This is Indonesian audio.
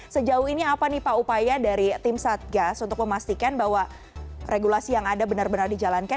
sejauh ini apa nih pak upaya dari tim satgas untuk memastikan bahwa regulasi yang ada benar benar dijalankan